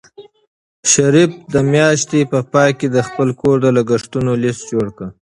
شریف د میاشتې په پای کې د خپل کور د لګښتونو لیست جوړ کړ.